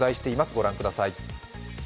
ご覧ください。